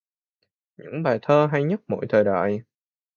Những bài thơ hay nhất mọi thời đại